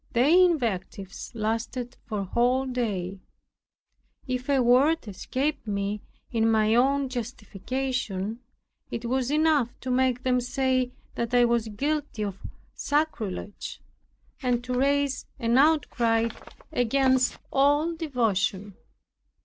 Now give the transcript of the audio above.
Their invectives lasted the whole day. If a word escaped me in my own justification, it was enough to make them say that I was guilty of sacrilege, and to raise an outcry against all devotion.